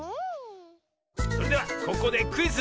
それではここでクイズ。